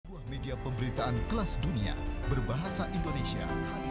sebuah media pemberitaan kelas dunia berbahasa indonesia